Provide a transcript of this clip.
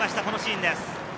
このシーンです。